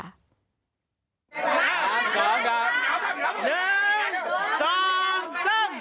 เฮ้ย